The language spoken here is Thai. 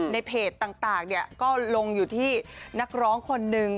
ในเพจต่างก็ลงอยู่ที่นักร้องคนนึง